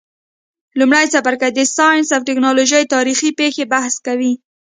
لمړی څپرکی د ساینس او تکنالوژۍ تاریخي پیښي بحث کوي.